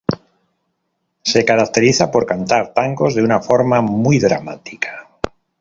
Se caracterizó por cantar tangos de una forma muy dramática.